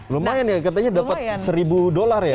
lumayan ya katanya dapat seribu dolar ya